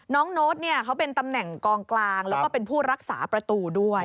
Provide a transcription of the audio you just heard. โน้ตเนี่ยเขาเป็นตำแหน่งกองกลางแล้วก็เป็นผู้รักษาประตูด้วย